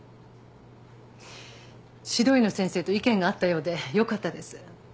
指導医の先生と意見が合ったようでよかったです。